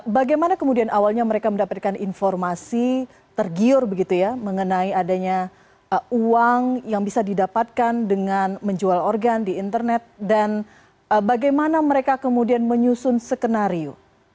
bagaimana kemudian awalnya mereka mendapatkan informasi tergiur begitu ya mengenai adanya uang yang bisa didapatkan dengan menjual organ di internet dan bagaimana mereka kemudian menyusun skenario